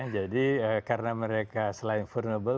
jadi karena mereka selain vulnerable